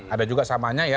ada juga samanya ya